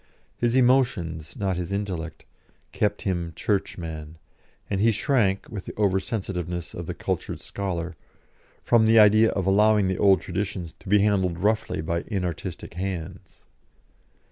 His emotions, not his intellect, kept him Churchman, and he shrank, with the over sensitiveness of the cultured scholar, from the idea of allowing the old traditions to be handled roughly by inartistic hands.